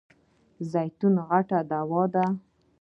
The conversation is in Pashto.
زیتون غټه دوا ده .